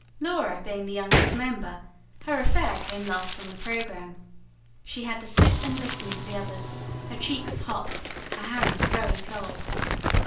Laura being the youngest member, her affair came last on the programme: she had to sit and listen to the others, her cheeks hot, her hands very cold.